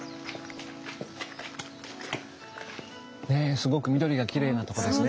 すごく緑がきれいなとこですね。